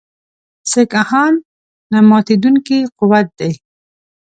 سیکهان نه ماتېدونکی قوت دی.